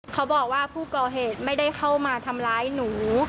เขาบอกว่าผู้ก่อเหตุไม่ได้เข้ามาทำร้ายหนู